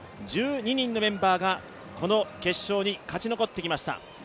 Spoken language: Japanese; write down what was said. １２人のメンバーがこの決勝に勝ち残ってきました。